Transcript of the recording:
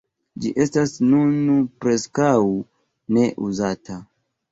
Ĝi estas nun preskaŭ ne uzata.